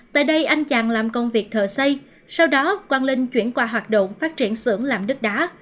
tại đây anh chàng làm công việc thờ xây sau đó quang linh chuyển qua hoạt động phát triển sưởng làm đất đá